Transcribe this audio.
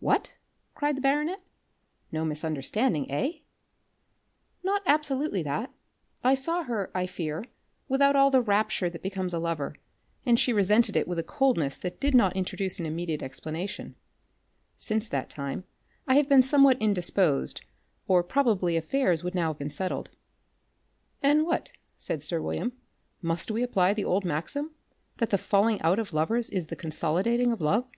"What" cried the baronet, "no misunderstanding, eh?" "Not absolutely that. I saw her, I fear, without all the rapture that becomes a lover, and she resented it with a coldness that did not introduce an immediate explanation. Since that time I have been somewhat indisposed, or probably affairs would now have been settled." "And what," said sir William, "must we apply the old maxim, that the falling out of lovers is the consolidating of love?"